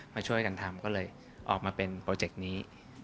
มาช่วยกันทำก็เลยออกมาเป็นโปรเจกต์นี้